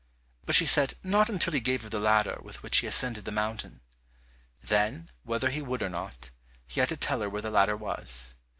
But she said not until he gave her the ladder with which he ascended the mountain. Then, whether he would or not, he had to tell her where the ladder was.